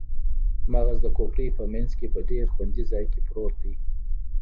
مغز د کوپړۍ په مینځ کې په ډیر خوندي ځای کې پروت دی